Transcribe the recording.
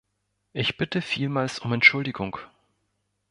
Ich bitte vielmals um Entschuldigung.